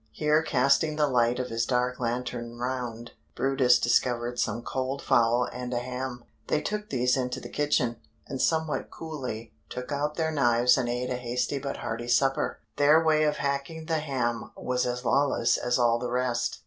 Here casting the light of his dark lantern round, brutus discovered some cold fowl and a ham; they took these into the kitchen, and somewhat coolly took out their knives and ate a hasty but hearty supper. Their way of hacking the ham was as lawless as all the rest.